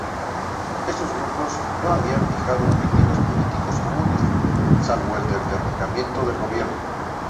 Estos grupos no habían fijado objetivos políticos comunes, salvo el del derrocamiento del gobierno.